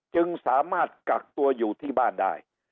จึงสามารถกักตัวอยู่ที่บ้านได้